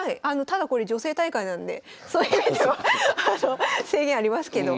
ただこれ女性大会なんでそういう意味では制限ありますけど。